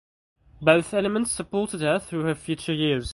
Both elements supported her through her future years.